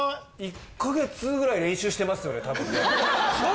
１か月ぐらい練習してますよねたぶんね。